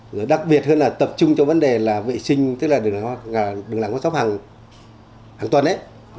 rồi đặc biệt hơn là tập trung cho vấn đề là vệ sinh tức là đường làng con sóp hàng tuần ấy